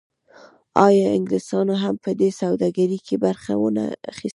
آیا انګلیسانو هم په دې سوداګرۍ کې برخه ونه اخیسته؟